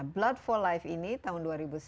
blood empat life ini tahun dua ribu sembilan